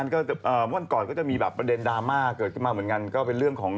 ก็น่าจะยังไงทำงานเดือน